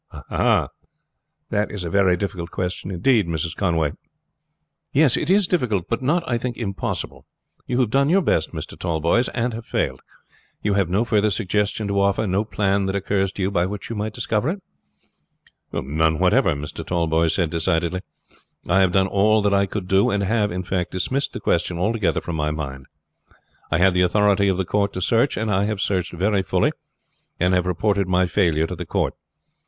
"Ah! that is a very difficult question indeed, Mrs. Conway." "Yes, it is difficult, but not, I think, impossible. You have done your best, Mr. Tallboys, and have failed. You have no further suggestion to offer, no plan that occurs to you by which you might discover it?" "None whatever," Mr. Tallboys said decidedly. "I have done all that I could do; and have, in fact, dismissed the question altogether from my mind. I had the authority of the court to search, and I have searched very fully, and have reported my failure to the court.